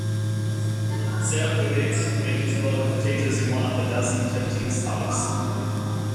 Served with it, a vegetable and potatoes in one of a dozen tempting styles.